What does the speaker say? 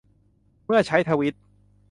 เมื่อใช้ทวีต